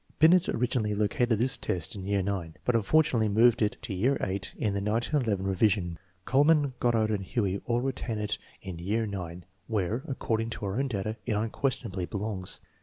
Binet originally located this test in year IX, but unfortunately moved it to year VIII in the 1911 re vision. Kuhlmann, Goddard, and Huey all retain it in year IX, where, according to our own data, it unquestionably belongs.